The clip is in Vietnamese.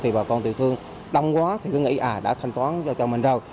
thì bà con tiểu thương đông quá thì cứ nghĩ đã thanh toán cho mình rồi